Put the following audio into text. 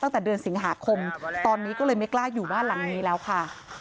ตั้งแต่เดือนสิงหาคมตอนนี้ก็เลยไม่กล้าอยู่บ้านหลังนี้แล้วค่ะ